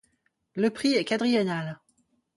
Le prix est quadriennal.